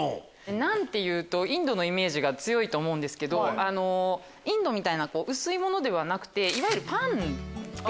ナンってインドのイメージが強いと思うんですけどインドみたいな薄いものではなくいわゆるパンが。